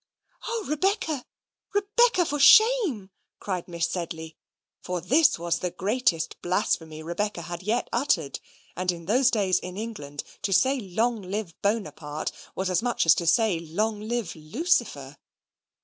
"O Rebecca, Rebecca, for shame!" cried Miss Sedley; for this was the greatest blasphemy Rebecca had as yet uttered; and in those days, in England, to say, "Long live Bonaparte!" was as much as to say, "Long live Lucifer!"